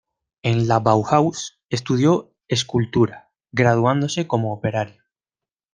En la Bauhaus estudió escultura, graduándose como operario.